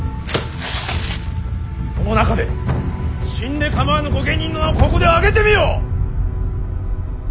この中で死んで構わぬ御家人の名をここで挙げてみよ！